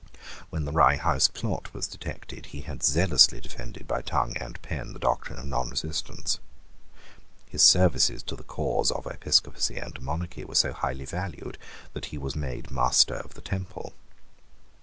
When the Rye House Plot was detected, he had zealously defended by tongue and pen the doctrine of nonresistance. His services to the cause of episcopacy and monarchy were so highly valued that he was made master of the Temple.